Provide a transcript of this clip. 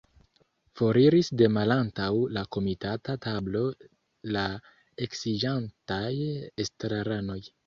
Foriris de malantaŭ la komitata tablo la eksiĝantaj estraranoj.